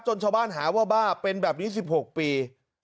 จนชาวบ้านหาว่าบ้าเป็นแบบนี้สิบหกปี